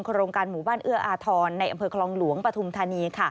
โรงการหมู่บ้านเอื้ออาทรในอำเภอคลองหลวงปฐุมธานี